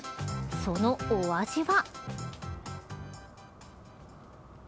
そのお味は。